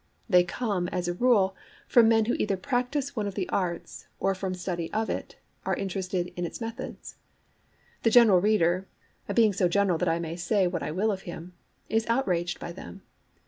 They come, as a rule, from men who either practise one of the arts, or, from study of it, are interested in its methods. The general reader—a being so general that I may say what I will of him—is outraged by them.